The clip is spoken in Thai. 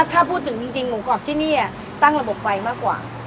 ถ้าพูดถึงจริงหมูกรอบที่นี่ตั้งระบบไฟมากกว่า